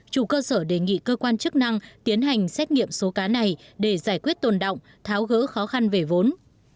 chủ cơ sở đề nghị cơ quan chức năng tiến hành xét nghiệm số cá này để giải quyết tồn động tháo gỡ khó khăn về vốn